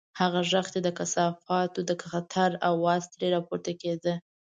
هغه غږ چې د کثافاتو د خطر اواز ترې راپورته کېده.